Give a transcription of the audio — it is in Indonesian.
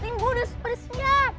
tim gue udah pada siap